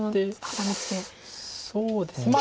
そうですね。